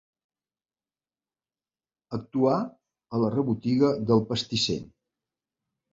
Actuar a la rebotiga del pastisser.